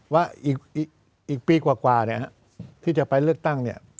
ว่าอีกปีกว่าที่จะไปเลือกตั้งเนี่ย